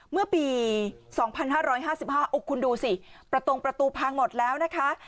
เมื่อปี๒๕๕๕คุณดูสิประตงประตูพังหมดแล้วนะคะ